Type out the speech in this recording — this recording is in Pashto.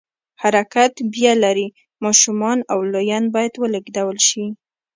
حرکت بیه لري، ماشومان او لویان باید ولېږدول شي.